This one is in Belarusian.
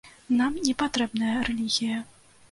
Нам не патрэбная рэлігія.